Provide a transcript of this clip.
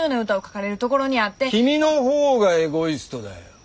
君の方がエゴイストだよ。